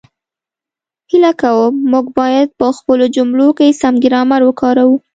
هیله کووم، موږ باید په خپلو جملو کې سم ګرامر وکاروو